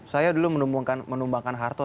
saya dulu menumbangkan harto